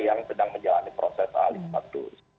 yang sedang menjalani proses alih status